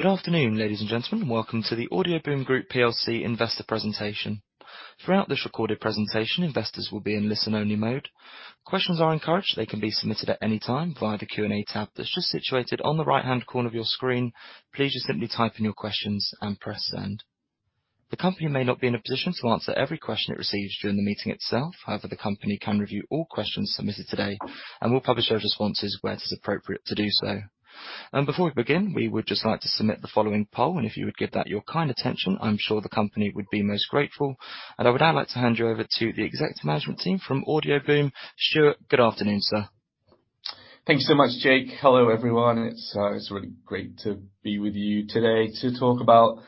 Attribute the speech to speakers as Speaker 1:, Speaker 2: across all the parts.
Speaker 1: Good afternoon, ladies and gentlemen, and welcome to the Audioboom Group PLC investor presentation. Throughout this recorded presentation, investors will be in listen-only mode. Questions are encouraged. They can be submitted at any time via the Q&A tab that's just situated on the right-hand corner of your screen. Please just simply type in your questions and press Send. The company may not be in a position to answer every question it receives during the meeting itself. However, the company can review all questions submitted today, and we'll publish those responses where it is appropriate to do so. And before we begin, we would just like to submit the following poll, and if you would give that your kind attention, I'm sure the company would be most grateful. And I would now like to hand you over to the executive management team from Audioboom. Stuart, good afternoon, sir.
Speaker 2: Thank you so much, Jake. Hello, everyone. It's really great to be with you today to talk about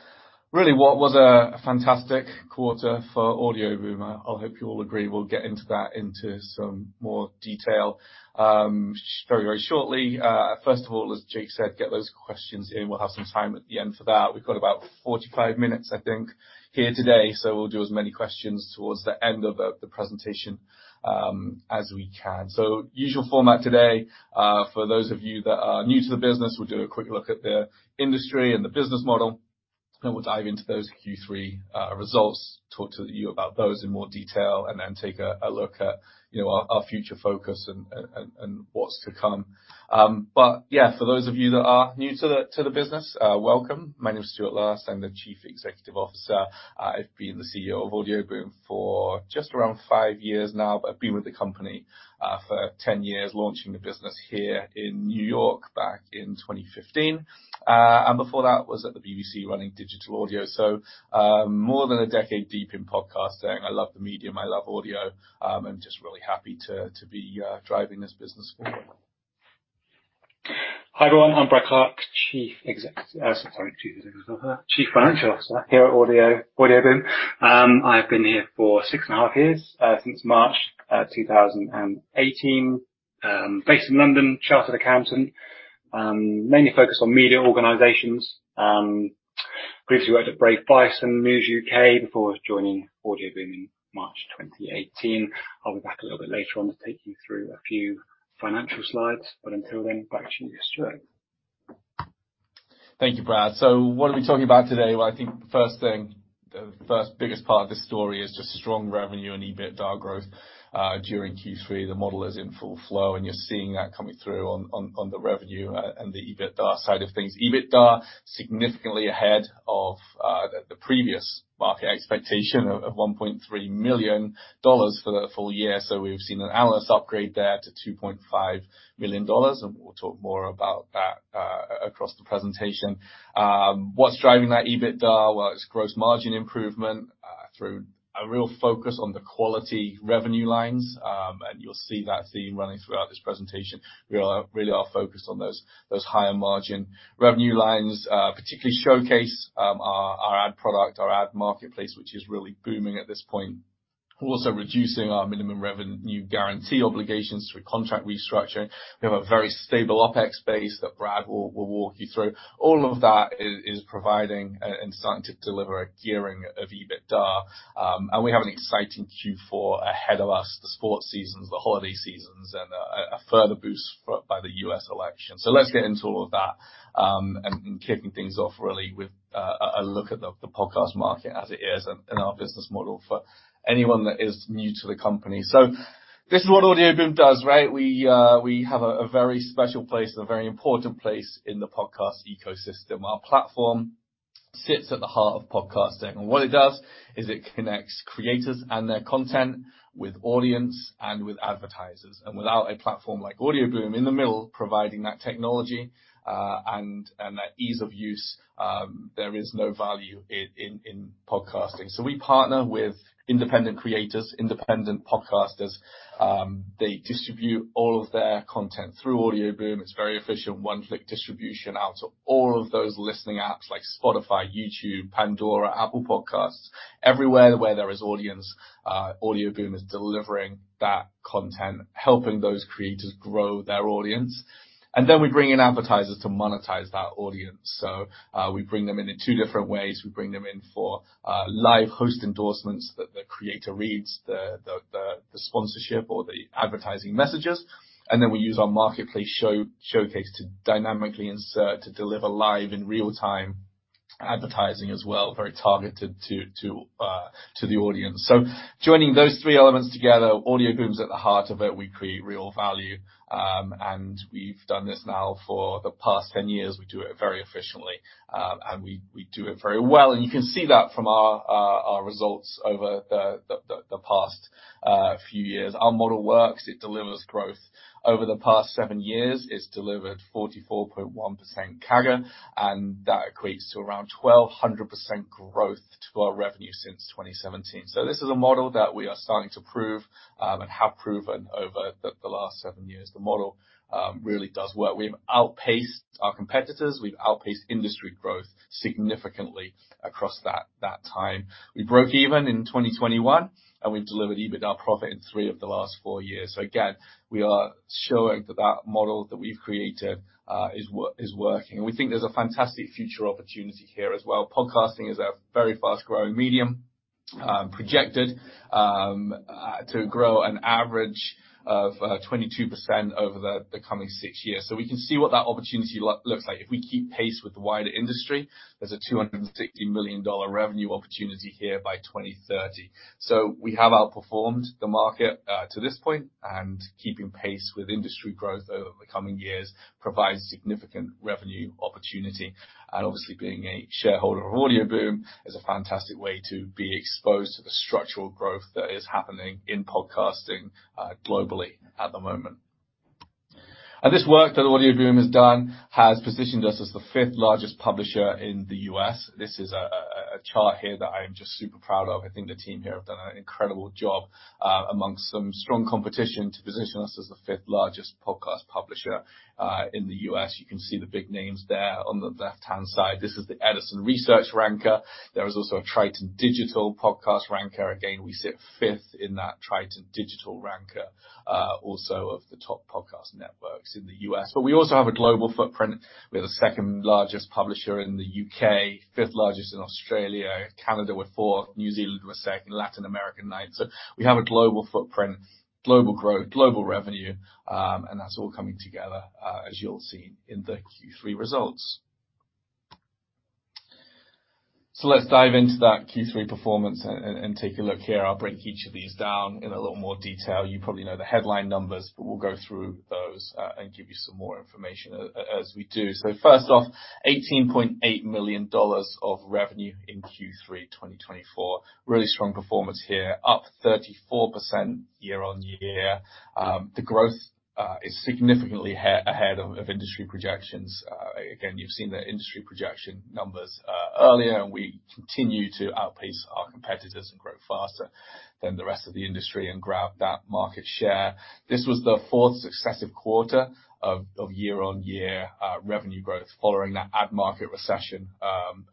Speaker 2: really what was a fantastic quarter for Audioboom. I hope you all agree. We'll get into that into some more detail very, very shortly. First of all, as Jake said, get those questions in. We'll have some time at the end for that. We've got about 45 minutes, I think, here today, so we'll do as many questions towards the end of the presentation as we can. So usual format today, for those of you that are new to the business, we'll do a quick look at the industry and the business model, and we'll dive into those Q3 results, talk to you about those in more detail, and then take a look at, you know, our future focus and what's to come. But yeah, for those of you that are new to the business, welcome. My name is Stuart Last. I'm the Chief Executive Officer. I've been the CEO of Audioboom for just around five years now, but I've been with the company for 10 years, launching the business here in New York back in 2015. And before that, was at the BBC, running digital audio. So, more than a decade deep in podcasting. I love the medium, I love audio, I'm just really happy to be driving this business forward.
Speaker 3: Hi, everyone. I'm Brad Clarke, Chief Executive Officer, Chief Financial Officer here at Audioboom. I've been here for six and a half years, since March two thousand and eighteen. Based in London, chartered accountant, mainly focused on media organizations. Previously worked at Brave Bison and News UK before joining Audioboom in March 2018. I'll be back a little bit later on to take you through a few financial slides, but until then, back to you, Stuart.
Speaker 2: Thank you, Brad. So what are we talking about today? Well, I think the first thing, the first biggest part of this story is just strong Revenue and EBITDA growth. During Q3, the model is in full flow, and you're seeing that coming through on the Revenue and the EBITDA side of things. EBITDA significantly ahead of the previous market expectation of $1.3 million for the full year. So we've seen an analyst upgrade that to $2.5 million, and we'll talk more about that across the presentation. What's driving that EBITDA? Well, it's gross margin improvement through a real focus on the quality revenue lines, and you'll see that theme running throughout this presentation. We really are focused on those higher margin revenue lines, particularly Showcase, our ad product, our ad marketplace, which is really booming at this point. We're also reducing our minimum revenue guarantee obligations through contract restructuring. We have a very stable OpEx base that Brad will walk you through. All of that is providing and starting to deliver a gearing of EBITDA, and we have an exciting Q4 ahead of us, the sports seasons, the holiday seasons, and a further boost by the US election. Let's get into all of that, and kicking things off really with a look at the podcast market as it is and our business model for anyone that is new to the company. This is what Audioboom does, right? We have a very special place and a very important place in the podcast ecosystem. Our platform sits at the heart of podcasting, and what it does is it connects creators and their content with audience and with advertisers. And without a platform like Audioboom in the middle, providing that technology and that ease of use, there is no value in podcasting. We partner with independent creators, independent podcasters. They distribute all of their content through Audioboom. It's very efficient. One-click distribution out to all of those listening apps like Spotify, YouTube, Pandora, Apple Podcasts. Everywhere where there is audience, Audioboom is delivering that content, helping those creators grow their audience, and then we bring in advertisers to monetize that audience. We bring them in in two different ways. We bring them in for live host endorsements that the creator reads the sponsorship or the advertising messages, and then we use our marketplace Showcase to dynamically insert to deliver live in real time advertising as well, very targeted to the audience, so joining those three elements together, Audioboom's at the heart of it. We create real value, and we've done this now for the past 10 years. We do it very efficiently, and we do it very well, and you can see that from our results over the past few years. Our model works. It delivers growth. Over the past seven years, it's delivered 44.1% CAGR, and that equates to around 1,200% growth to our revenue since 2017. So this is a model that we are starting to prove, and have proven over the last seven years. The model really does work. We've outpaced our competitors. We've outpaced industry growth significantly across that time. We broke even in 2021, and we've delivered EBITDA profit in three of the last four years. So again, we are showing that that model that we've created is working, and we think there's a fantastic future opportunity here as well. Podcasting is a very fast-growing medium projected to grow an average of 22% over the coming six years. So we can see what that opportunity looks like. If we keep pace with the wider industry, there's a $260 million revenue opportunity here by 2030. So we have outperformed the market to this point, and keeping pace with industry growth over the coming years provides significant revenue opportunity. And obviously, being a shareholder of Audioboom is a fantastic way to be exposed to the structural growth that is happening in podcasting globally at the moment. And this work that Audioboom has done has positioned us as the fifth largest publisher in the U.S., this is a chart here that I am just super proud of. I think the team here have done an incredible job among some strong competition to position us as the fifth largest podcast publisher in the U.S. You can see the big names there on the left-hand side. This is the Edison Research ranker. There is also a Triton Digital podcast ranker. Again, we sit fifth in that Triton Digital ranker, also of the top podcast networks in the U.S. But we also have a global footprint. We're the second-largest publisher in the U.K., fifth largest in Australia, Canada we're fourth, New Zealand we're second, Latin America, ninth. So we have a global footprint, global growth, global revenue, and that's all coming together, as you'll see in the Q3 results. So let's dive into that Q3 performance and take a look here. I'll break each of these down in a little more detail. You probably know the headline numbers, but we'll go through those, and give you some more information as we do. So first off, $18.8 million of revenue in Q3 2024. Really strong performance here, up 34% year on year. The growth is significantly ahead of industry projections. Again, you've seen the industry projection numbers earlier, and we continue to outpace our competitors and grow faster than the rest of the industry and grab that market share. This was the fourth successive quarter of year-on-year revenue growth following that ad market recession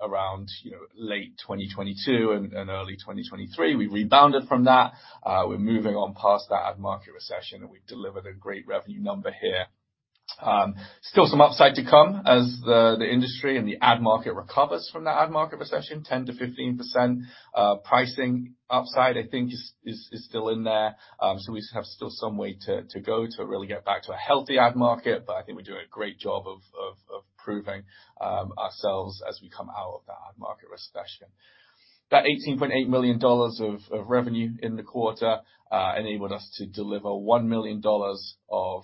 Speaker 2: around, you know, late 2022 and early 2023. We rebounded from that. We're moving on past that ad market recession, and we've delivered a great revenue number here. Still some upside to come as the industry and the ad market recovers from that ad market recession. 10%-15% pricing upside, I think, is still in there. So we have still some way to go to really get back to a healthy ad market, but I think we're doing a great job of proving ourselves as we come out of that ad market recession. That $18.8 million of revenue in the quarter enabled us to deliver $1 million of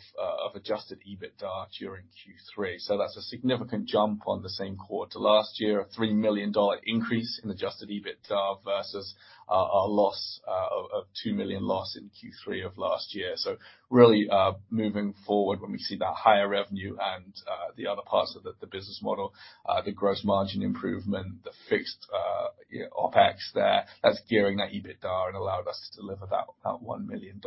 Speaker 2: Adjusted EBITDA during Q3. So that's a significant jump on the same quarter last year, a $3 million increase in Adjusted EBITDA versus a loss of $2 million in Q3 of last year. So really moving forward when we see that higher Revenue and the other parts of the business model, the Gross Margin improvement, the fixed OpEx there, that's gearing that EBITDA and allowed us to deliver that $1 million.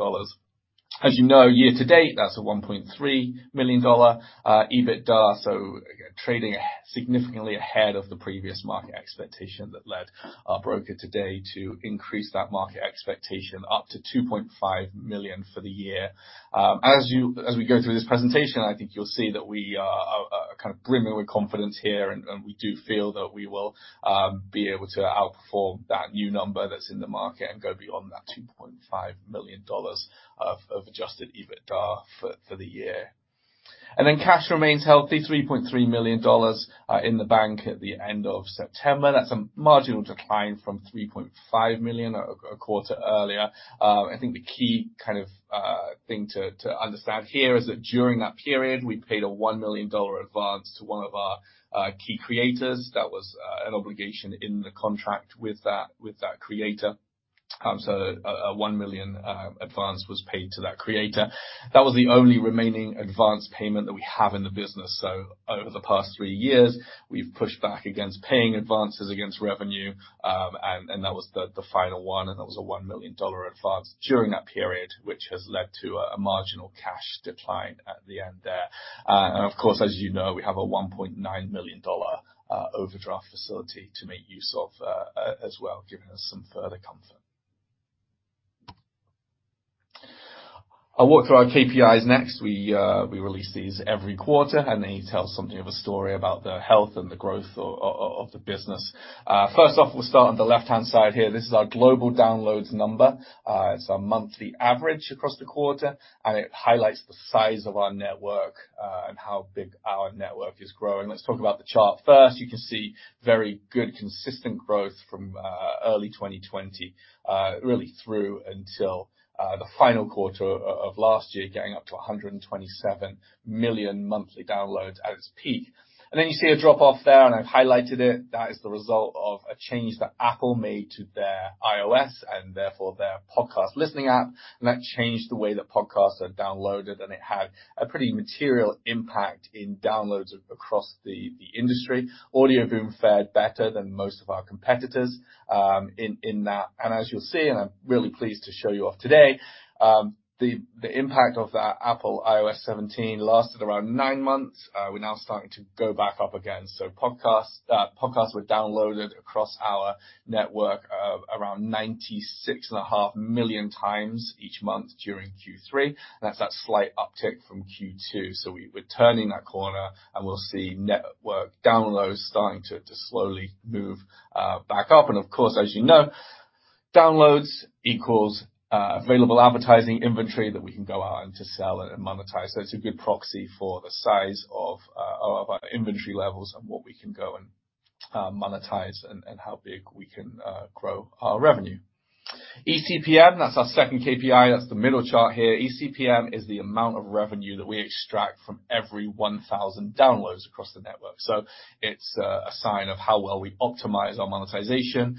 Speaker 2: As you know, year to date, that's $1.3 million EBITDA, so trading ahead significantly of the previous market expectation that led our broker today to increase that market expectation up to $2.5 million for the year. As we go through this presentation, I think you'll see that we are kind of brimming with confidence here, and we do feel that we will be able to outperform that new number that's in the market and go beyond that $2.5 million of Adjusted EBITDA for the year. Cash remains healthy, $3.3 million in the bank at the end of September. That's a marginal decline from $3.5 million a quarter earlier. I think the key kind of thing to understand here is that during that period, we paid a $1 million advance to one of our key creators. That was an obligation in the contract with that creator. So a $1 million advance was paid to that creator. That was the only remaining advance payment that we have in the business. So over the past three years, we've pushed back against paying advances against revenue, and that was the final one, and that was a $1 million advance during that period, which has led to a marginal cash decline at the end there. And of course, as you know, we have a $1.9 million overdraft facility to make use of, as well, giving us some further comfort. I'll walk through our KPIs next. We release these every quarter, and they tell something of a story about the health and the growth of the business. First off, we'll start on the left-hand side here. This is our global downloads number. It's our Monthly Average across the quarter, and it highlights the size of our network, and how big our network is growing. Let's talk about the chart first. You can see very good, consistent growth from early 2020, really through until the final quarter of last year, getting up to 127 million monthly downloads at its peak, and then you see a drop-off there, and I've highlighted it. That is the result of a change that Apple made to their iOS, and therefore their podcast listening app, and that changed the way that podcasts are downloaded, and it had a pretty material impact in downloads across the industry. Audioboom fared better than most of our competitors in that. And as you'll see, and I'm really pleased to show you off today, the impact of that Apple iOS 17 lasted around nine months. We're now starting to go back up again. So podcasts were downloaded across our network around 96.5 million times each month during Q3. That's the slight uptick from Q2. So we're turning that corner, and we'll see network downloads starting to slowly move back up. And of course, as you know-... Downloads equals available advertising inventory that we can go out and to sell and monetize. That's a good proxy for the size of our inventory levels and what we can go and monetize and how big we can grow our revenue. eCPM, that's our second KPI, that's the middle chart here. eCPM is the amount of revenue that we extract from every one thousand downloads across the network. So it's a sign of how well we optimize our monetization.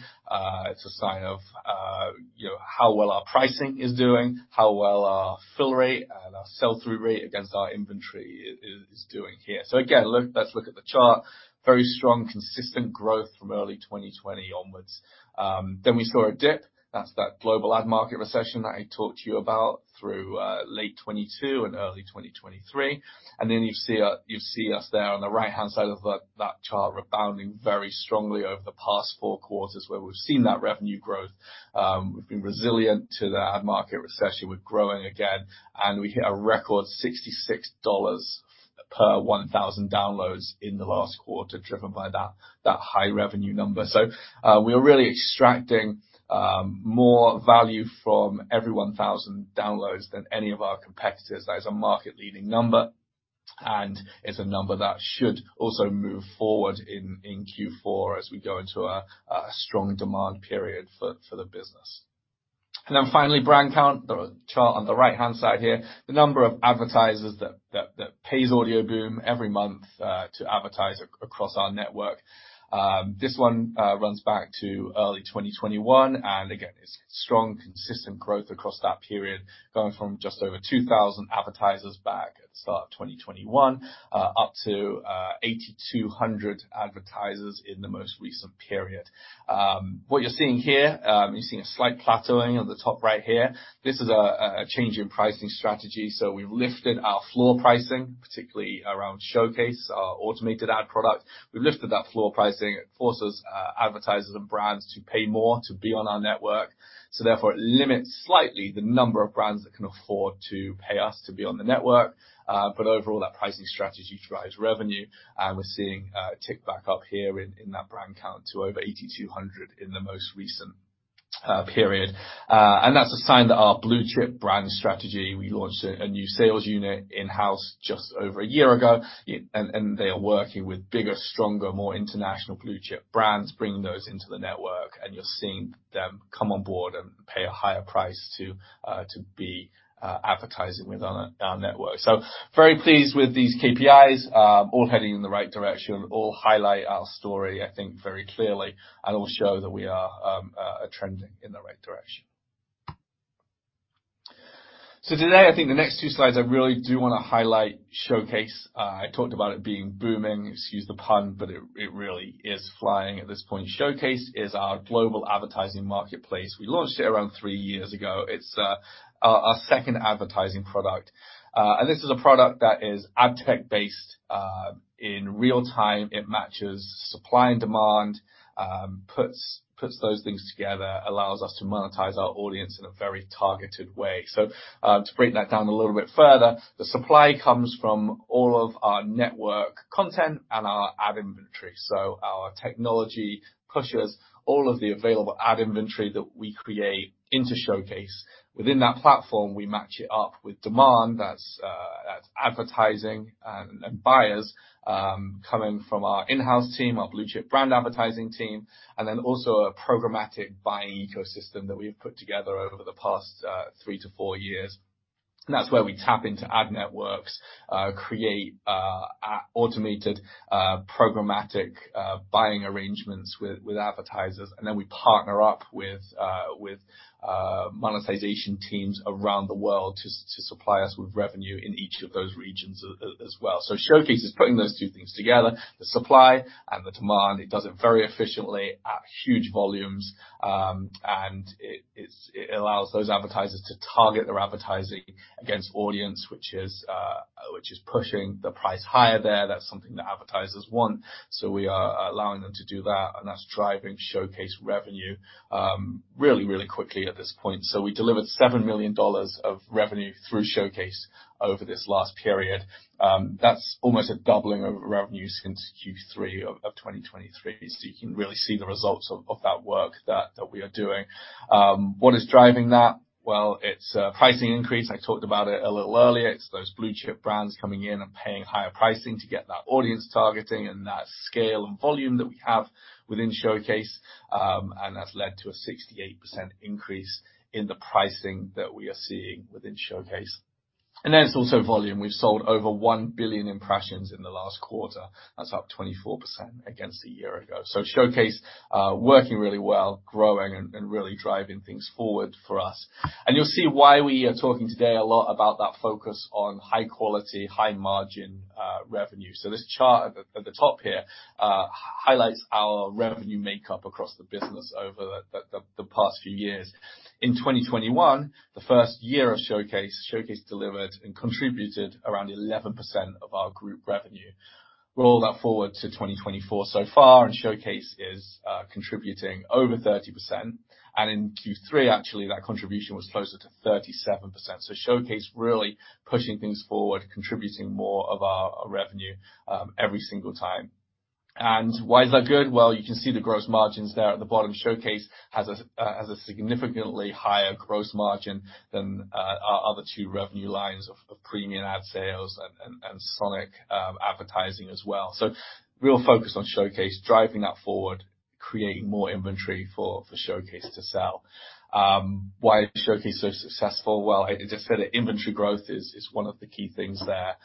Speaker 2: It's a sign of you know, how well our pricing is doing, how well our fill rate and our sell-through rate against our inventory is doing here. So again, look, let's look at the chart. Very strong, consistent growth from early 2020 onwards. Then we saw a dip. That's that global ad market recession that I talked to you about through late 2022 and early 2023. And then you see us there on the right-hand side of that chart rebounding very strongly over the past four quarters, where we've seen that revenue growth. We've been resilient to the ad market recession. We're growing again, and we hit a record $66 per 1,000 downloads in the last quarter, driven by that high Revenue number. So, we are really extracting more value from every 1,000 downloads than any of our competitors. That is a market-leading number, and it's a number that should also move forward in Q4 as we go into a strong demand period for the business. And then finally, brand count, the chart on the right-hand side here. The number of advertisers that pays Audioboom every month to advertise across our network. This one runs back to early 2021, and again, it's strong, consistent growth across that period, going from just over two thousand advertisers back at the start of 2021 up to eighty-two hundred advertisers in the most recent period. What you're seeing here, you're seeing a slight plateauing at the top right here. This is a change in pricing strategy, so we've lifted our floor pricing, particularly around Showcase, our automated ad product. We've lifted that floor pricing. It forces advertisers and brands to pay more to be on our network, so therefore, it limits slightly the number of brands that can afford to pay us to be on the network. But overall, that pricing strategy drives revenue, and we're seeing a tick back up here in that brand count to over 8,200 in the most recent period. And that's a sign that our blue-chip brand strategy. We launched a new sales unit in-house just over a year ago, and they are working with bigger, stronger, more international blue-chip brands, bringing those into the network, and you're seeing them come on board and pay a higher price to be advertising on our network. So very pleased with these KPIs. All heading in the right direction, all highlight our story, I think, very clearly, and all show that we are trending in the right direction. So today, I think the next two slides, I really do wanna highlight Showcase. I talked about it being booming, excuse the pun, but it really is flying at this point. Showcase is our global advertising marketplace. We launched it around three years ago. It's our second advertising product, and this is a product that is ad tech-based. In real time, it matches supply and demand, puts those things together, allows us to monetize our audience in a very targeted way. So, to break that down a little bit further, the supply comes from all of our Network Content and our Ad Inventory. So our technology pushes all of the available Ad Inventory that we create into Showcase. Within that platform, we match it up with demand, that's advertising, and buyers coming from our in-house team, our blue-chip brand advertising team, and then also a programmatic buying ecosystem that we've put together over the past three to four years. And that's where we tap into ad networks, create automated programmatic buying arrangements with advertisers, and then we partner up with monetization teams around the world to supply us with revenue in each of those regions as well. So Showcase is putting those two things together, the supply and the demand. It does it very efficiently at huge volumes, and it allows those advertisers to target their advertising against audience, which is pushing the price higher there. That's something that advertisers want, so we are allowing them to do that, and that's driving Showcase revenue really really quickly at this point. So we delivered $7 million of Revenue through Showcase over this last period. That's almost a doubling of revenue since Q3 of 2023. So you can really see the results of that work that we are doing. What is driving that? Well, it's a pricing increase. I talked about it a little earlier. It's those blue-chip brands coming in and paying higher pricing to get that audience targeting and that scale and volume that we have within Showcase, and that's led to a 68% increase in the pricing that we are seeing within Showcase. And then it's also volume. We've sold over 1 billion impressions in the last quarter. That's up 24% against a year ago. Showcase working really well, growing and really driving things forward for us. You'll see why we are talking today a lot about that focus on high quality, high margin revenue. This chart at the top here highlights our revenue makeup across the business over the past few years. In 2021, the first year of Showcase, Showcase delivered and contributed around 11% of our group revenue. Roll that forward to 2024 so far, and Showcase is contributing over 30%, and in Q3, actually, that contribution was closer to 37%. Showcase really pushing things forward, contributing more of our revenue every single time. Why is that good? You can see the gross margins there at the bottom. Showcase has a significantly higher gross margin than our other two revenue lines of premium ad sales and Sonic advertising as well. So real focus on Showcase, driving that forward, creating more inventory for Showcase to sell. Why is Showcase so successful? Well, definitely, inventory growth is one of the key things there.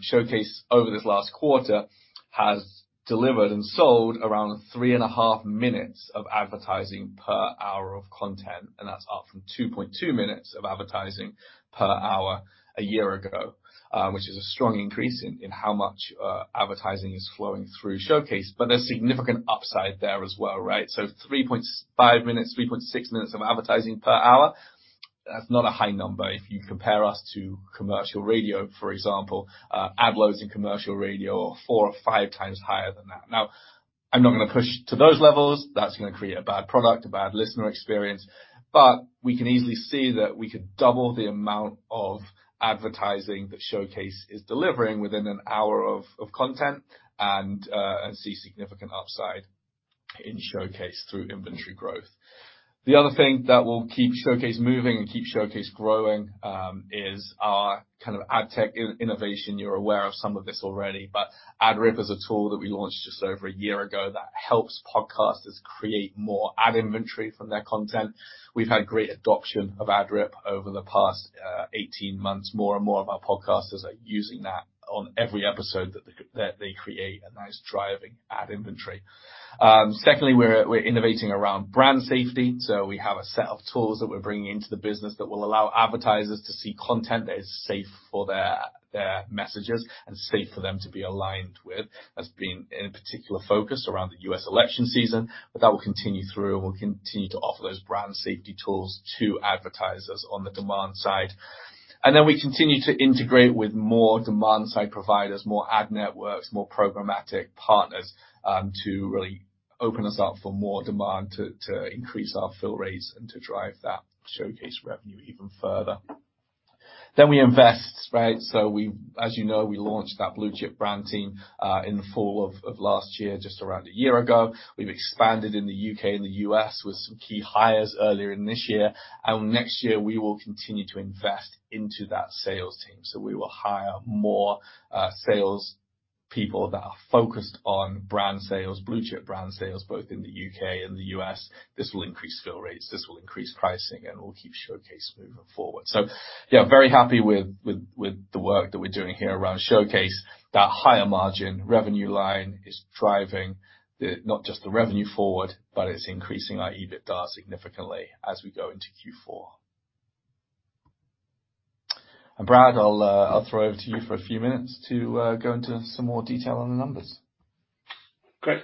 Speaker 2: Showcase, over this last quarter, has delivered and sold around three and a half minutes of advertising per hour of content, and that's up from two point two minutes of advertising per hour a year ago, which is a strong increase in how much advertising is flowing through Showcase. But there's significant upside there as well, right? So three point five minutes, three point six minutes of advertising per hour, that's not a high number if you compare us to commercial radio, for example. Ad loads in commercial radio are four or five times higher than that. Now, I'm not gonna push to those levels. That's gonna create a bad product, a bad listener experience, but we can easily see that we could double the amount of advertising that Showcase is delivering within an hour of content, and see significant upside in Showcase through inventory growth. The other thing that will keep Showcase moving and keep Showcase growing is our kind of ad tech innovation. You're aware of some of this already, but AdRip is a tool that we launched just over a year ago that helps podcasters create more ad inventory from their content. We've had great adoption of AdRip over the past eighteen months. More and more of our podcasters are using that on every episode that they create, and that is driving ad inventory. Secondly, we're innovating around brand safety, so we have a set of tools that we're bringing into the business that will allow advertisers to see content that is safe for their messages and safe for them to be aligned with. That's been a particular focus around the U.S. election season, but that will continue through, and we'll continue to offer those brand safety tools to advertisers on the demand side, and then we continue to integrate with more demand-side providers, more ad networks, more programmatic partners, to really open us up for more demand, to increase our fill rates and to drive that Showcase Revenue even further. We invest, right? So, as you know, we launched that blue chip brand team in the fall of last year, just around a year ago. We have expanded in the U.K., and the U.S., with some key hires earlier in this year, and next year, we will continue to invest into that sales team, so we will hire more sales people that are focused on brand sales, blue chip brand sales, both in the U.K. and the U.S. This will increase fill rates, this will increase pricing, and it will keep Showcase moving forward. So yeah, very happy with the work that we are doing here around Showcase. That higher margin revenue line is driving the, not just the revenue forward, but it is increasing our EBITDA significantly as we go into Q4. Brad, I'll throw over to you for a few minutes to go into some more detail on the numbers.
Speaker 3: Great.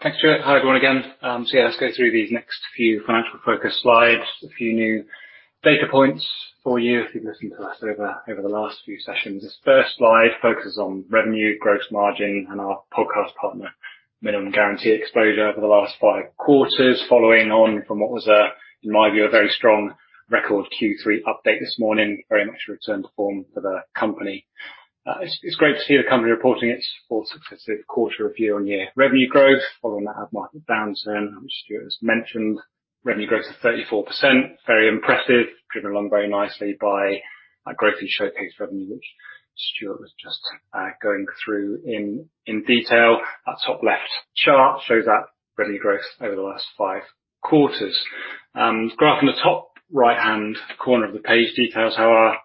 Speaker 3: Thanks, Stuart. Hi, everyone, again. So yeah, let's go through these next few financial focus slides. A few new data points for you, if you've listened to us over the last few sessions. This first slide focuses on revenue, gross margin, and our podcast partner minimum guarantee exposure over the last five quarters, following on from what was, in my view, a very strong record Q3 update this morning, very much a return to form for the company. It's great to see the company reporting its fourth successive quarter of year-on-year Revenue Growth, following that Ad Market downturn, which Stuart has mentioned. Revenue growth of 34%, very impressive, driven along very nicely by that growth in Showcase Revenue, which Stuart was just going through in detail. That top left chart shows that Revenue Growth over the last five quarters. The graph in the top right-hand corner of the page details how our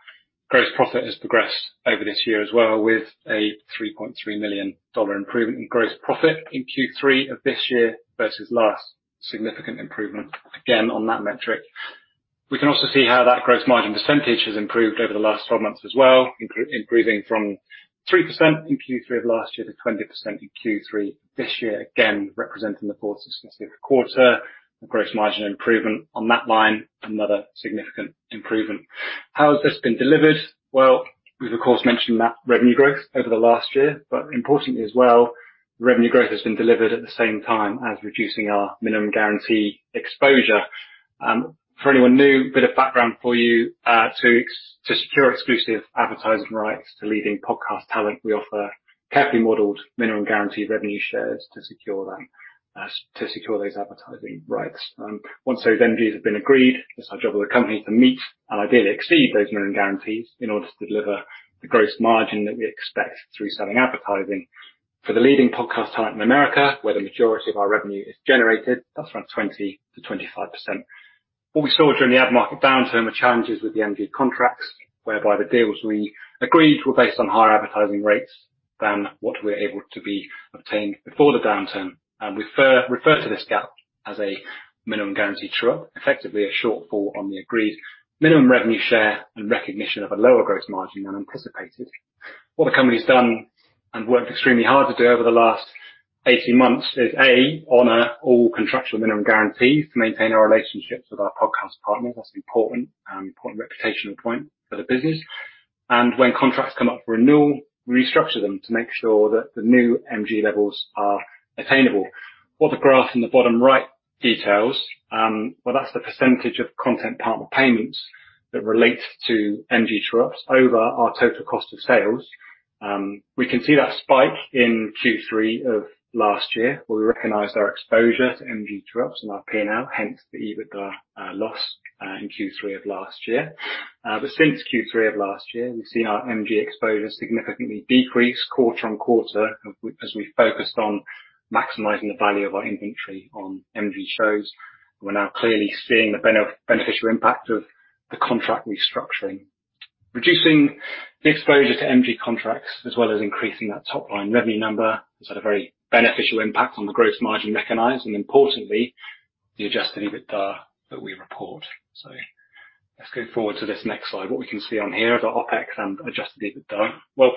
Speaker 3: gross profit has progressed over this year as well, with a $3.3 million improvement in gross profit in Q3 of this year versus last. Significant improvement, again, on that metric. We can also see how that gross margin percentage has improved over the last 12 months as well, improving from 3% in Q3 of last year to 20% in Q3 this year, again, representing the fourth successive quarter of Gross Margin improvement. On that line, another significant improvement. How has this been delivered? Well, we've of course mentioned that Revenue Growth over the last year, but importantly as well, revenue growth has been delivered at the same time as reducing our minimum guarantee exposure. For anyone new, a bit of background for you, to secure exclusive advertising rights to leading podcast talent, we offer carefully modeled Minimum Guaranteed Revenue shares to secure them, to secure those advertising rights. Once those MG true-ups have been agreed, it's our job as a company to meet, and ideally exceed, those minimum guarantees in order to deliver the gross margin that we expect through selling advertising. For the leading podcast talent in America, where the majority of our revenue is generated, that's around 20%-25%. What we saw during the Ad Market downturn were challenges with the MG contracts, whereby the deals we agreed were based on higher advertising rates than what we were able to obtain before the downturn, and we refer to this gap as a minimum guarantee true-up, effectively a shortfall on the agreed Minimum Revenue share and recognition of a lower gross margin than anticipated. What the company's done, and worked extremely hard to do over the last eighteen months, is, A, honor all contractual minimum guarantees to maintain our relationships with our podcast partners. That's important, important reputational point for the business, and when contracts come up for renewal, restructure them to make sure that the new MG levels are attainable... What the graph in the bottom right details, well, that's the percentage of content partner payments that relates to MG interrupts over our total Cost of Sales. We can see that spike in Q3 of last year, where we recognized our exposure to MG int in our P&L, hence the EBITDA loss in Q3 of last year. But since Q3 of last year, we've seen our MG exposure significantly decrease quarter-on-quarter, as we focused on maximizing the value of our inventory on MG shows. We're now clearly seeing the beneficial impact of the contract restructuring. Reducing the exposure to MG contracts, as well as increasing that top line revenue number, has had a very beneficial impact on the Gross Margin recognized, and importantly, the Adjusted EBITDA that we report. So let's go forward to this next slide. What we can see on here, the OpEx and Adjusted EBITDA. What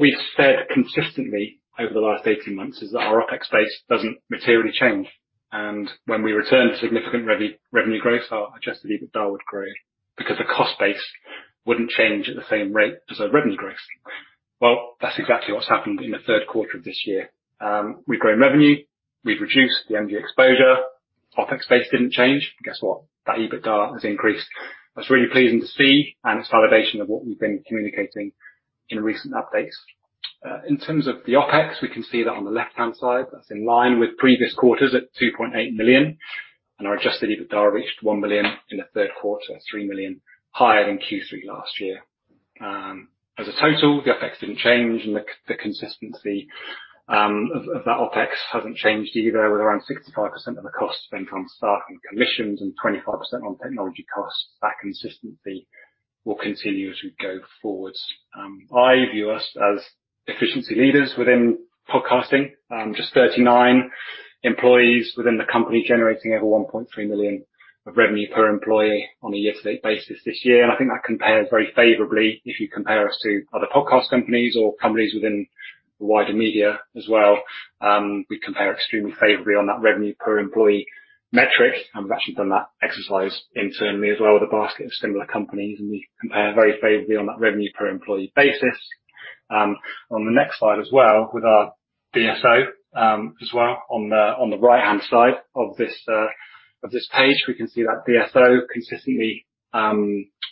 Speaker 3: we've said consistently over the last eighteen months is that our OpEx base doesn't materially change, and when we return to significant revenue growth, our Adjusted EBITDA would grow, because the cost base wouldn't change at the same rate as our revenue growth. That's exactly what's happened in the third quarter of this year. We've grown revenue, we've reduced the MG exposure, OpEx base didn't change. Guess what? That EBITDA has increased. That's really pleasing to see, and it's validation of what we've been communicating in recent updates. In terms of the OpEx, we can see that on the left-hand side, that's in line with previous quarters at $2.8 million, and our Adjusted EBITDA reached $1 million in the Q3 $3 million higher than Q3 last year. As a total, the OpEx didn't change, and the consistency of that OpEx hasn't changed either, with around 65% of the costs spent on staff and commissions and 25% on technology costs. That consistency will continue as we go forward. I view us as efficiency leaders within podcasting. Just 39 employees within the company, generating over $1.3 million of revenue per employee on a year-to-date basis this year, and I think that compares very favorably, if you compare us to other podcast companies or companies within the wider media as well. We compare extremely favorably on that revenue per employee metric, and we've actually done that exercise internally as well, with a basket of similar companies, and we compare very favorably on that revenue per employee basis. On the next slide as well, with our DSO, as well, on the right-hand side of this page, we can see that DSO consistently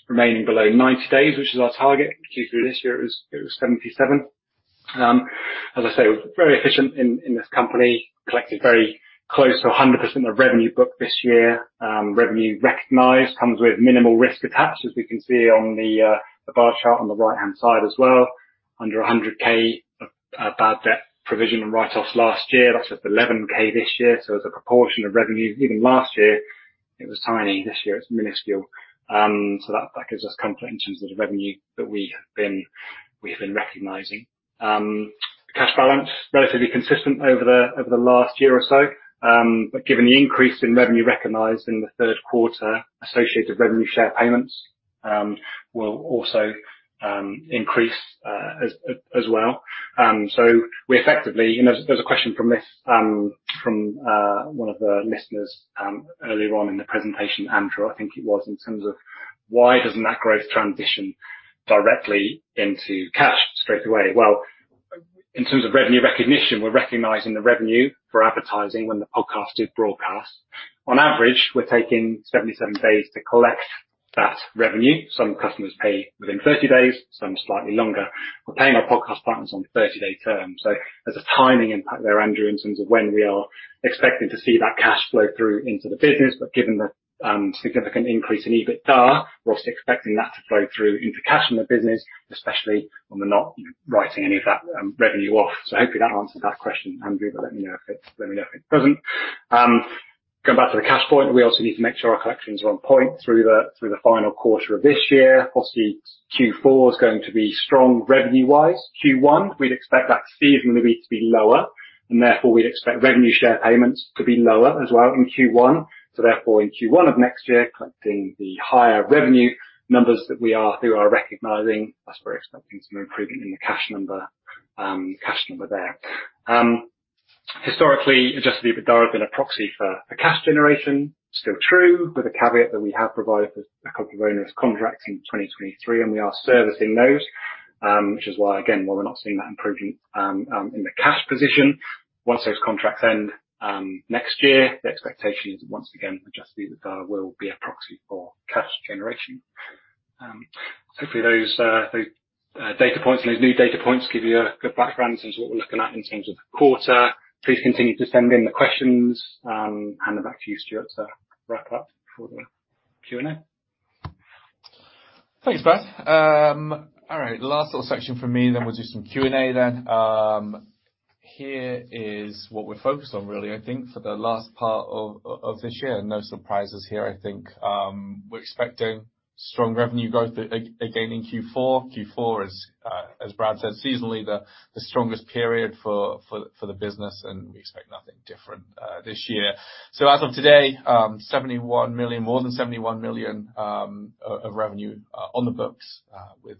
Speaker 3: remaining below ninety days, which is our target. Q3 this year, it was seventy-seven. As I say, we're very efficient in this company, collected very close to 100% of Revenue booked this year. Revenue recognized comes with minimal risk attached, as we can see on the bar chart on the right-hand side as well, under $100K of Bad Debt provision and write-offs last year. That's up $11K this year, so as a proportion of revenue, even last year, it was tiny. This year, it's minuscule. So that gives us comfort in terms of the revenue that we have been recognizing. Cash Balance, relatively consistent over the last year or so, but given the increase in Revenue recognized in the Q3, associated Revenue Share Payments, will also increase, as well. So we effectively. You know, there's a question from this, from one of the listeners, earlier on in the presentation, Andrew, I think it was, in terms of: Why doesn't that growth transition directly into cash straight away? Well, in terms of revenue recognition, we're recognizing the revenue for advertising when the podcast is broadcast. On average, we're taking 77 days to collect that revenue. Some customers pay within 30 days, some slightly longer. We're paying our podcast partners on thirty-day terms, so there's a timing impact there, Andrew, in terms of when we are expecting to see that cash flow through into the business, but given the significant increase in EBITDA, we're also expecting that to flow through into cash in the business, especially when we're not writing any of that Revenue off. So hopefully that answers that question, Andrew, but let me know if it doesn't. Going back to the cash point, we also need to make sure our collections are on point through the final quarter of this year. Obviously, Q4 is going to be strong revenue-wise. Q1, we'd expect that seasonally to be lower, and therefore, we'd expect Revenue share payments to be lower as well in Q1. So therefore, in Q1 of next year, collecting the higher revenue numbers that we are, we are recognizing, that's we're expecting some improvement in the cash number there. Historically, Adjusted EBITDA have been a proxy for the cash generation. Still true, with the caveat that we have provided a couple of onerous contracts in 2023, and we are servicing those, which is why, again, why we're not seeing that improvement in the cash position. Once those contracts end next year, the expectation is, once again, Adjusted EBITDA will be a proxy for cash generation. Hopefully those data points and those new data points give you a good background in terms of what we're looking at in terms of the quarter. Please continue to send in the questions. Hand it back to you, Stuart, to wrap up before the Q&A.
Speaker 2: Thanks, Brad. All right, last little section from me, then we'll do some Q&A then. Here is what we're focused on, really, I think, for the last part of this year. No surprises here, I think. We're expecting strong revenue growth, again, in Q4. Q4 is, as Brad said, seasonally, the strongest period for the business, and we expect nothing different, this year. So as of today, more than $71 million of revenue on the books, with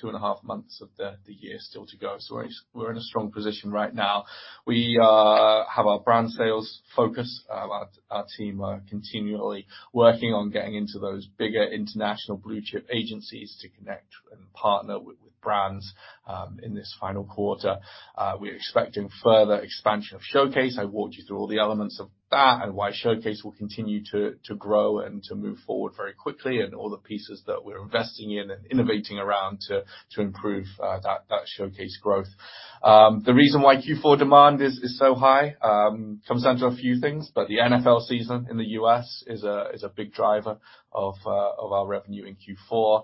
Speaker 2: two and a half months of the year still to go. So we're in a strong position right now. We have our brand sales focus. Our team are continually working on getting into those bigger international blue chip agencies to connect. and partner with brands in this final quarter. We're expecting further expansion of Showcase. I walked you through all the elements of that, and why Showcase will continue to grow and to move forward very quickly, and all the pieces that we're investing in and innovating around to improve that Showcase growth. The reason why Q4 demand is so high comes down to a few things, but the NFL season in the U.S. is a big driver of our revenue in Q4.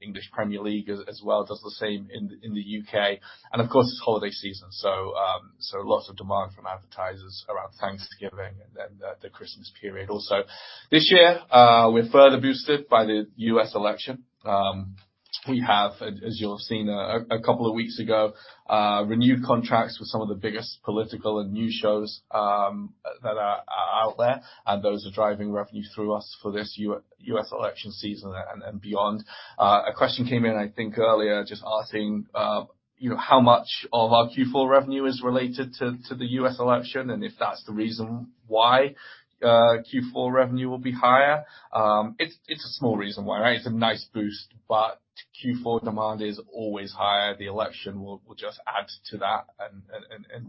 Speaker 2: English Premier League as well does the same in the U.K., and of course, it's holiday season, so lots of demand from advertisers around Thanksgiving and then the Christmas period also. This year, we're further boosted by the U.S. election. We have, as you'll have seen, a couple of weeks ago, renewed contracts with some of the biggest political and news shows, that are out there, and those are driving revenue through us for this U.S. election season and beyond. A question came in, I think earlier, just asking, you know, how much of our Q4 revenue is related to the U.S. election, and if that's the reason why Q4 revenue will be higher? It's a small reason why, right? It's a nice boost, but Q4 demand is always higher. The election will just add to that and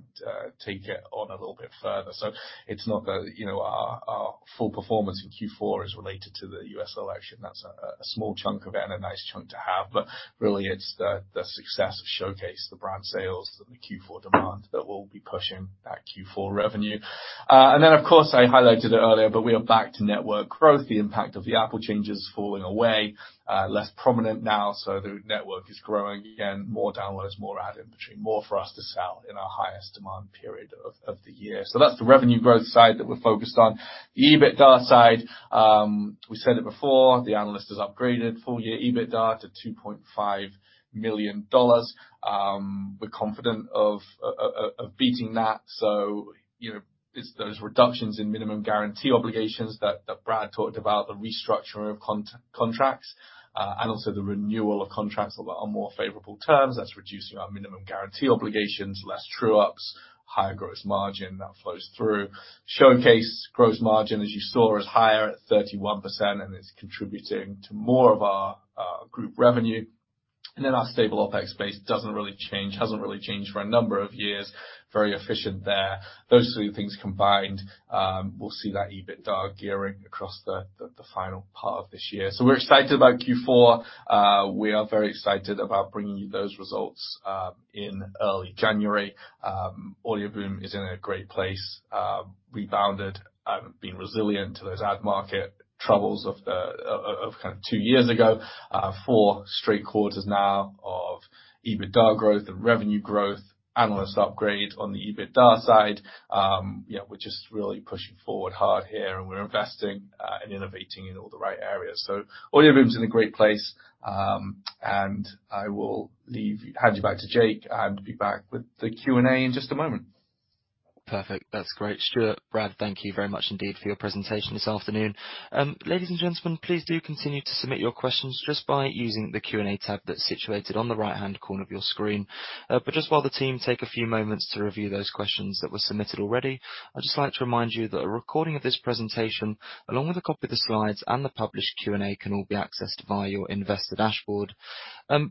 Speaker 2: take it on a little bit further. So it's not that, you know, our full performance in Q4 is related to the U.S. election. That's a small chunk of it and a nice chunk to have, but really it's the success of Showcase, the brand sales, and the Q4 demand that will be pushing that Q4 revenue. And then, of course, I highlighted it earlier, but we are back to network growth. The impact of the Apple change is falling away, less prominent now, so the network is growing again, more downloads, more ad inventory, more for us to sell in our highest demand period of the year. So that's the revenue growth side that we're focused on. The EBITDA side, we said it before, the analyst has upgraded full year EBITDA to $2.5 million. We're confident of beating that, so, you know, it's those reductions in minimum guarantee obligations that Brad talked about, the restructuring of contracts, and also the renewal of contracts that are on more favorable terms. That's reducing our minimum guarantee obligations, less true ups, higher gross margin that flows through. Showcase gross margin, as you saw, is higher at 31%, and it's contributing to more of our group revenue. And then our stable OpEx base doesn't really change. Hasn't really changed for a number of years. Very efficient there. Those three things combined, we'll see that EBITDA gearing across the final part of this year. So we're excited about Q4. We are very excited about bringing you those results in early January. Audioboom is in a great place, rebounded and been resilient to those ad market troubles of the kind of two years ago. Four straight quarters now of EBITDA growth and revenue growth, analyst upgrade on the EBITDA side. You know, we're just really pushing forward hard here, and we're investing and innovating in all the right areas, so Audioboom's in a great place, and I will hand you back to Jake, and be back with the Q&A in just a moment.
Speaker 1: Perfect. That's great. Stuart, Brad, thank you very much indeed for your presentation this afternoon. Ladies and gentlemen, please do continue to submit your questions just by using the Q&A tab that's situated on the right-hand corner of your screen, but just while the team take a few moments to review those questions that were submitted already, I'd just like to remind you that a recording of this presentation, along with a copy of the slides and the published Q&A, can all be accessed via your investor dashboard.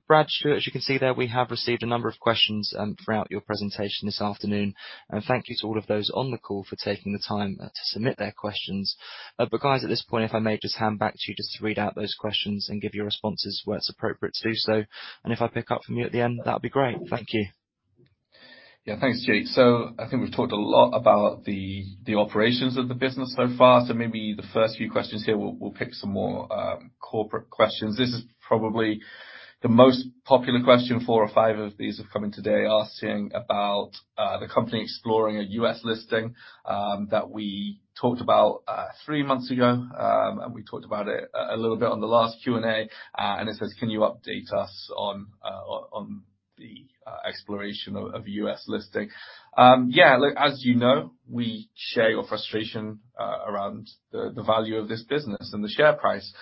Speaker 1: Brad, Stuart, as you can see there, we have received a number of questions, throughout your presentation this afternoon, and thank you to all of those on the call for taking the time to submit their questions. But guys, at this point, if I may just hand back to you just to read out those questions and give your responses where it's appropriate to do so, and if I pick up from you at the end, that'd be great. Thank you.
Speaker 2: Yeah. Thanks, Jake. So I think we've talked a lot about the operations of the business so far, so maybe the first few questions here, we'll pick some more corporate questions. This is probably the most popular question. Four or five of these have come in today, asking about the company exploring a US listing that we talked about three months ago. And we talked about it a little bit on the last Q&A, and it says, "Can you update us on the exploration of US listing?" Yeah, look, as you know, we share your frustration around the value of this business and the share price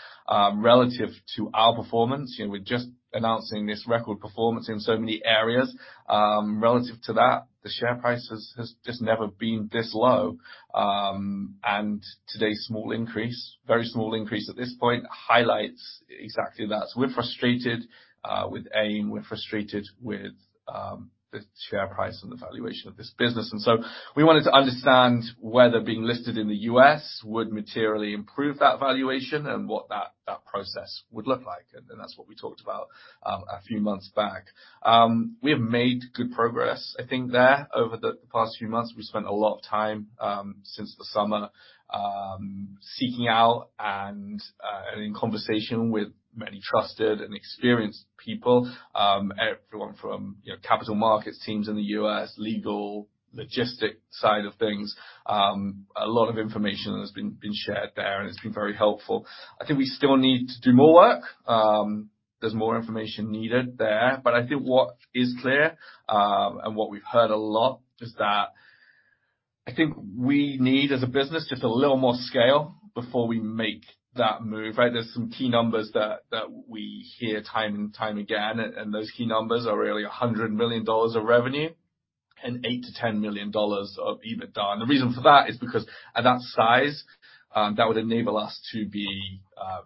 Speaker 2: relative to our performance. You know, we're just announcing this record performance in so many areas. Relative to that, the Share Price has just never been this low, and today's small increase, very small increase at this point, highlights exactly that, so we're frustrated with AIM, we're frustrated with the share price and the valuation of this business, and so we wanted to understand whether being listed in the U.S would materially improve that valuation and what that process would look like, and that's what we talked about a few months back. We have made good progress, I think, there, over the past few months. We've spent a lot of time since the summer seeking out and in conversation with many trusted and experienced people, everyone from, you know, capital markets teams in the US, legal, logistics side of things. A lot of information has been shared there, and it's been very helpful. I think we still need to do more work. There's more information needed there, but I think what is clear, and what we've heard a lot, is that I think we need, as a business, just a little more scale before we make that move, right? There's some key numbers that we hear time and time again, and those key numbers are really $100 million of revenue... and $8-$10 million of EBITDA. And the reason for that is because at that size, that would enable us to be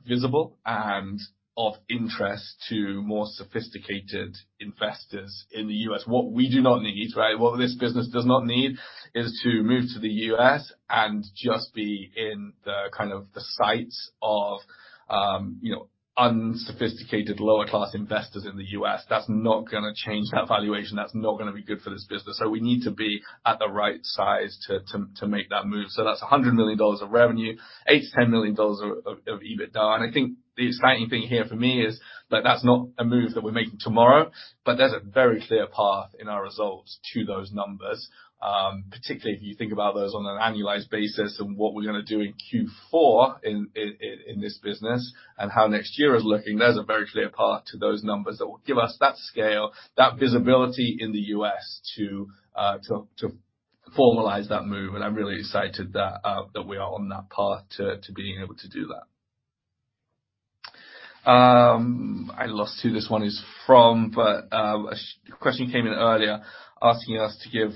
Speaker 2: visible and of interest to more sophisticated investors in the U.S. What we do not need, right, what this business does not need is to move to the U.S. and just be in the, kind of, the sights of, you know, unsophisticated lower-class investors in the U.S. That's not gonna change that valuation. That's not gonna be good for this business. So we need to be at the right size to make that move. So that's $100 million of revenue, $8-10 million of EBITDA, and I think the exciting thing here for me is that that's not a move that we're making tomorrow, but there's a very clear path in our results to those numbers. Particularly if you think about those on an annualized basis and what we're gonna do in Q4, in this business and how next year is looking, there's a very clear path to those numbers that will give us that scale, that visibility in the U.S. to formalize that move, and I'm really excited that we are on that path to being able to do that. I lost who this one is from, but a question came in earlier asking us to give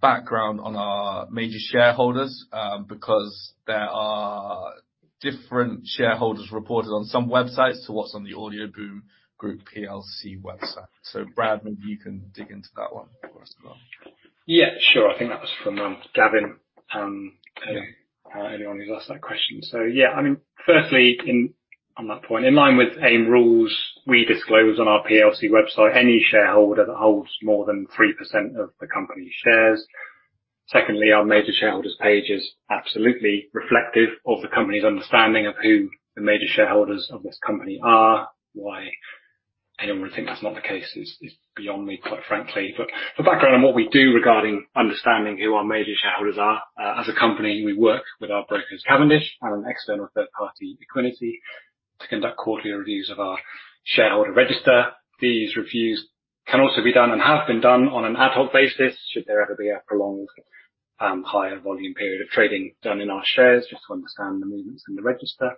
Speaker 2: background on our major shareholders, because there are different shareholders reported on some websites to what's on the Audioboom Group PLC website. So, Brad, maybe you can dig into that one for us as well.
Speaker 3: Yeah, sure. I think that was from Gavin, or anyone who's asked that question. So yeah, I mean, firstly, on that point, in line with AIM rules, we disclose on our PLC website any shareholder that holds more than 3% of the company's shares. Secondly, our major shareholders page is absolutely reflective of the company's understanding of who the major shareholders of this company are. Why anyone would think that's not the case is beyond me, quite frankly. But for background on what we do regarding understanding who our major shareholders are, as a company, we work with our brokers, Cavendish, and an external third party, Equiniti, to conduct quarterly reviews of our shareholder register. These reviews can also be done and have been done on an ad hoc basis, should there ever be a prolonged, higher volume period of trading done in our shares, just to understand the movements in the register.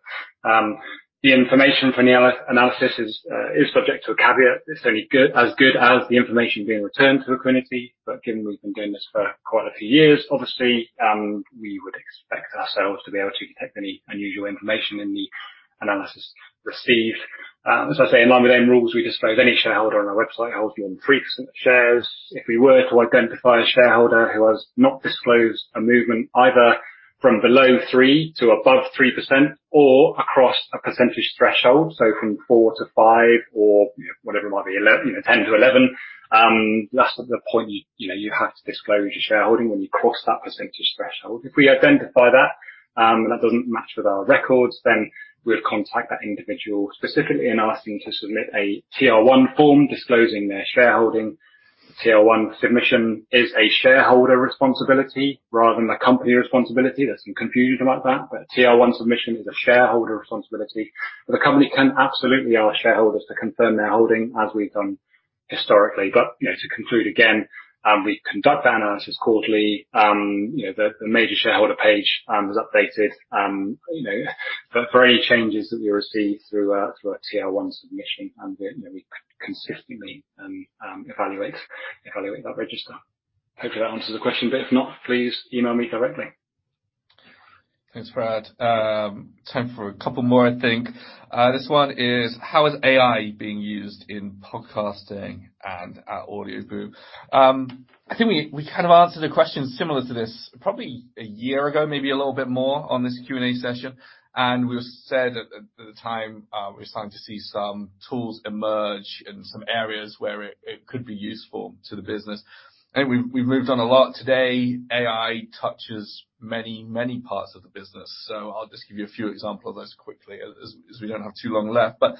Speaker 3: The information from the analysis is subject to a caveat. It's only as good as the information being returned to Equiniti, but given we've been doing this for quite a few years, obviously, we would expect ourselves to be able to detect any unusual information in the analysis received. As I say, in line with AIM rules, we disclose any shareholder on our website holding more than 3% of the shares. If we were to identify a shareholder who has not disclosed a movement, either from below 3% to above 3% or across a percentage threshold, so from 4%-5% or, you know, whatever it might be, you know, 10%-11%, that's the point, you know, you have to disclose your shareholding when you cross that percentage threshold. If we identify that, and that doesn't match with our records, then we'll contact that individual specifically and ask them to submit a TR1 form disclosing their shareholding. TR1 submission is a shareholder responsibility rather than a company responsibility. There's some confusion about that, but a TR1 submission is a shareholder responsibility. The company can absolutely ask shareholders to confirm their holding, as we've done historically. You know, to conclude, again, we conduct the analysis quarterly. You know, the major shareholder page is updated, you know, for any changes that we receive through a TR1 submission, and then we consistently evaluate that register. Hopefully, that answers the question, but if not, please email me directly.
Speaker 2: Thanks, Brad. Time for a couple more, I think. This one is: How is AI being used in podcasting and at Audioboom? I think we kind of answered a question similar to this probably a year ago, maybe a little bit more, on this Q&A session and we said at the time, we're starting to see some tools emerge in some areas where it could be useful to the business. I think we've moved on a lot. Today, AI touches many parts of the business, so I'll just give you a few examples of those quickly as we don't have too long left. But,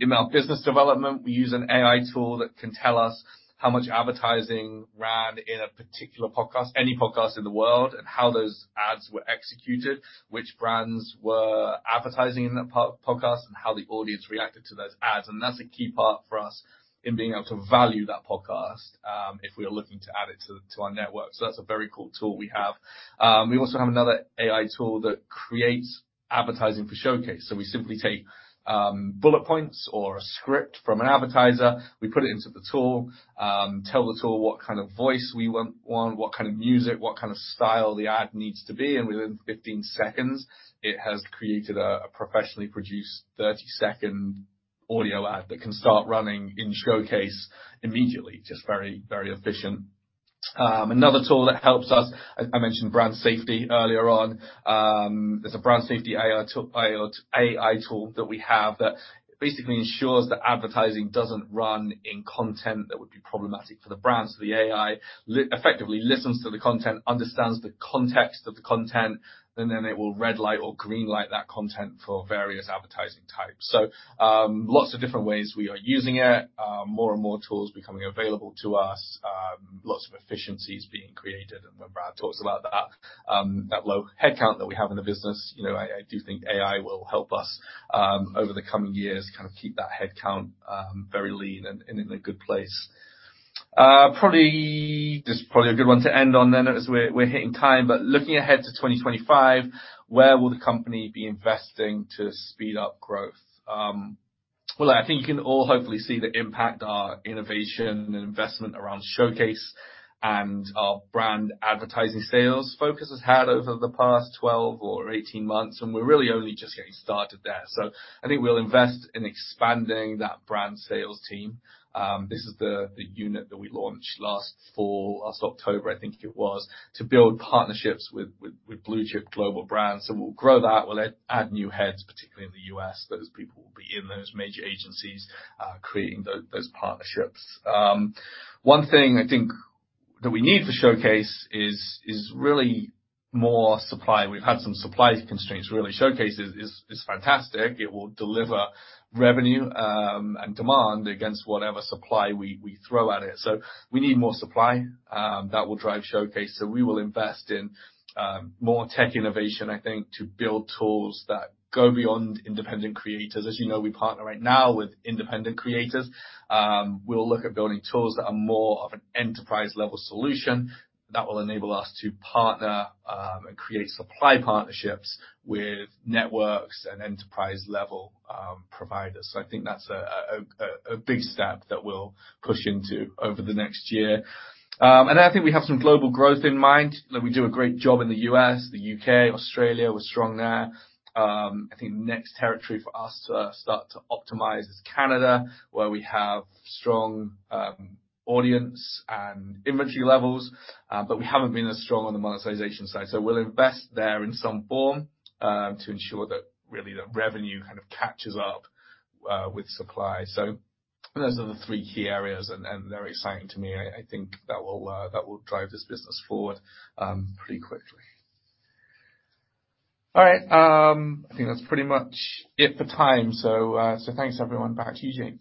Speaker 2: in our business development, we use an AI tool that can tell us how much advertising ran in a particular podcast, any podcast in the world, and how those ads were executed, which brands were advertising in that podcast, and how the audience reacted to those ads. And that's a key part for us in being able to value that podcast, if we are looking to add it to our network. So that's a very cool tool we have. We also have another AI tool that creates advertising for Showcase. So we simply take bullet points or a script from an advertiser, we put it into the tool, tell the tool what kind of voice we want, what kind of music, what kind of style the ad needs to be, and within 15 seconds, it has created a professionally produced 30-second audio ad that can start running in Showcase immediately. Just very, very efficient. Another tool that helps us, I mentioned brand safety earlier on. There's a brand safety AI tool that we have that basically ensures that advertising doesn't run in content that would be problematic for the brands. So the AI effectively listens to the content, understands the context of the content, and then it will red light or green light that content for various advertising types. So, lots of different ways we are using it, more and more tools becoming available to us, lots of efficiencies being created. And when Brad talks about the, that low headcount that we have in the business, you know, I, I do think AI will help us, over the coming years, kind of keep that headcount, very lean and in a good place. This is probably a good one to end on then, as we're hitting time, but looking ahead to twenty twenty-five, where will the company be investing to speed up growth? Well, I think you can all hopefully see the impact our innovation and investment around Showcase and our brand advertising sales focus has had over the past twelve or eighteen months, and we're really only just getting started there. So I think we'll invest in expanding that brand sales team. This is the unit that we launched last fall, last October, I think it was, to build partnerships with blue-chip global brands. So we'll grow that. We'll add new heads, particularly in the U.S. Those people will be in those major agencies, creating those partnerships. One thing I think that we need for Showcase is really more supply. We've had some supply constraints, really. Showcase is fantastic. It will deliver revenue, and demand against whatever supply we throw at it. So we need more supply, that will drive Showcase. So we will invest in more tech innovation, I think, to build tools that go beyond independent creators. As you know, we partner right now with independent creators. We'll look at building tools that are more of an enterprise-level solution that will enable us to partner and create supply partnerships with networks and enterprise-level providers. So I think that's a big step that we'll push into over the next year. And I think we have some global growth in mind. Like, we do a great job in the U.S, the U.K.,Australia, we're strong there. I think the next territory for us to start to optimize is Canada, where we have strong audience and inventory levels but we haven't been as strong on the monetization side. So we'll invest there in some form to ensure that really the revenue kind of catches up with supply. So those are the three key areas, and very exciting to me. I think that will drive this business forward pretty quickly. All right, I think that's pretty much it for time. So thanks, everyone. Back to you, Jake.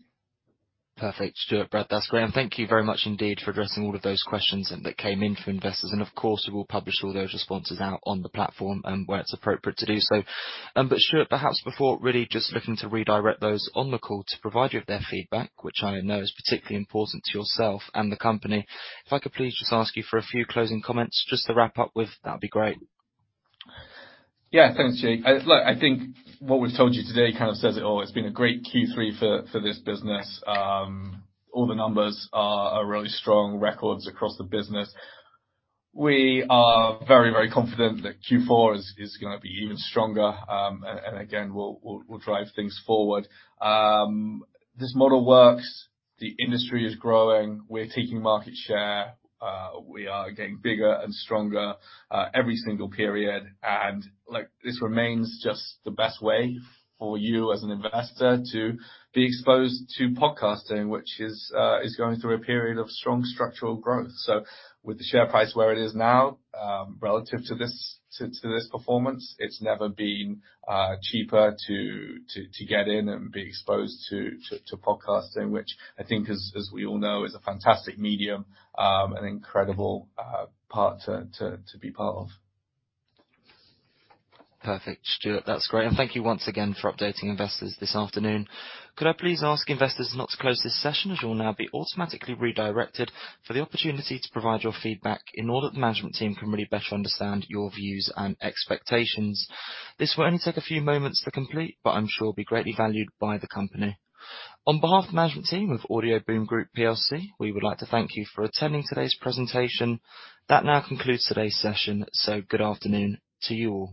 Speaker 1: Perfect. Stuart, Brad, that's great, and thank you very much indeed for addressing all of those questions that came in from investors, and of course, we will publish all those responses out on the platform and where it's appropriate to do so, but Stuart, perhaps before really just looking to redirect those on the call to provide you with their feedback, which I know is particularly important to yourself and the company, if I could please just ask you for a few closing comments just to wrap up with, that'd be great.
Speaker 2: Yeah. Thanks, Jake. Look, I think what we've told you today kind of says it all. It's been a great Q3 for this business. All the numbers are really strong, records across the business. We are very, very confident that Q4 is gonna be even stronger. And again, we'll drive things forward. This model works. The industry is growing. We're taking market share. We are getting bigger and stronger every single period, and, like, this remains just the best way for you as an investor to be exposed to podcasting, which is going through a period of strong structural growth. So with the share price where it is now, relative to this performance, it's never been cheaper to get in and be exposed to podcasting, which I think, as we all know, is a fantastic medium and incredible part to be part of.
Speaker 1: Perfect, Stuart. That's great, and thank you once again for updating investors this afternoon. Could I please ask investors not to close this session, as you'll now be automatically redirected for the opportunity to provide your feedback in order that the management team can really better understand your views and expectations? This will only take a few moments to complete, but I'm sure will be greatly valued by the company. On behalf of the management team of Audioboom Group PLC, we would like to thank you for attending today's presentation. That now concludes today's session, so good afternoon to you all.